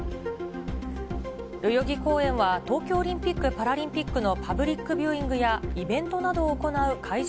代々木公園は東京オリンピック・パラリンピックのパブリック・ビューイングやイベントなどを行う会場